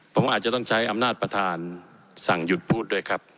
ผมอาจจะต้องใช้อำนาจประธานสั่งหยุดพูดด้วยครับ